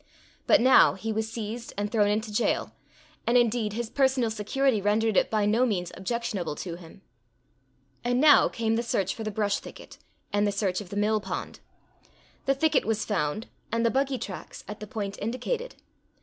But now, he was seized and thrown into jail; and indeed, his personal security rendered it by no means objectionable to him. And now came the search for the brush thicket, and the search of the mill pond. The thicket was found, and the buggy tracks at the point indicated.